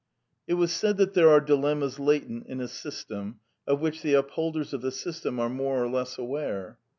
It was said that there are dilemmas latent in a system, of which the upholders of the system are more or less aware.